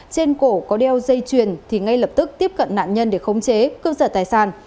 trên cổ có đeo dây chuyền thì ngay lập tức tiếp cận nạn nhân để khống chế cư sở tài sản